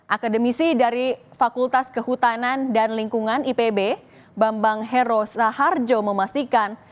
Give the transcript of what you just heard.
akademisi dari fakultas kehutanan dan lingkungan ipb bambang hero saharjo memastikan